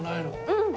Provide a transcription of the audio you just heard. うん！